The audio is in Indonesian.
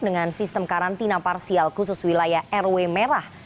dengan sistem karantina parsial khusus wilayah rw merah